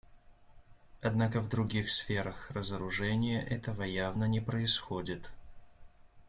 Однако в других сферах разоружения этого явно не происходит.